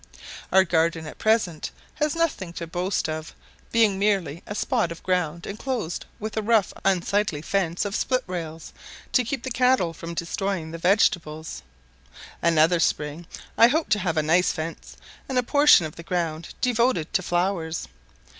Our garden at present has nothing to boast of, being merely a spot of ground enclosed with a rough unsightly fence of split rails to keep the cattle from destroying the vegetables. Another spring, I hope to have a nice fence, and a portion of the ground devoted to flowers.